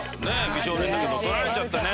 美少年だけど取られちゃったね。